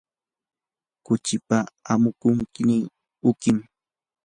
kuchipa amukuqnin uqim.